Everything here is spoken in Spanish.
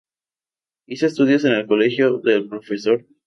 Hizo sus estudios en el colegio del Prof.